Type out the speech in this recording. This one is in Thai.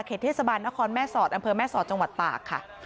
เทศบาลนครแม่สอดอำเภอแม่สอดจังหวัดตากค่ะ